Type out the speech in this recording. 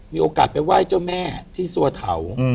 มีโอกาสไปไหว้เจ้าแม่ที่สัวเถา